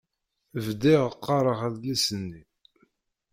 Bdiɣ qqaṛeɣ adlis-nni.